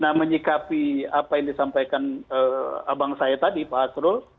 nah menyikapi apa yang disampaikan abang saya tadi pak asrul